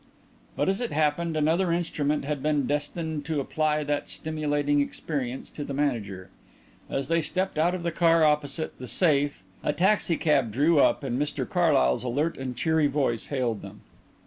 But, as it happened, another instrument had been destined to apply that stimulating experience to the manager. As they stepped out of the car opposite "The Safe" a taxicab drew up and Mr Carlyle's alert and cheery voice hailed them.